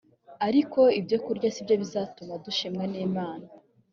ariko ibyokurya si byo bizatuma dushimwa n imana